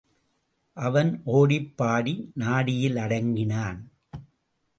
அவன் ஓடிப் பாடி நாடியில் அடங்கினான்.